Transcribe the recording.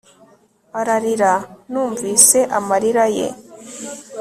Ararira Numvise amarira ye